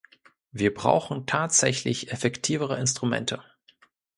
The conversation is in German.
Wir brauchen tatsächlich effektivere Instrumente.